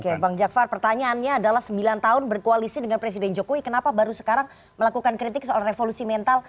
oke bang jakvar pertanyaannya adalah sembilan tahun berkoalisi dengan presiden jokowi kenapa baru sekarang melakukan kritik soal revolusi mental